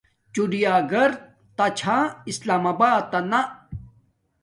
چیڑیا گھر تا چھا سلام آباتنہ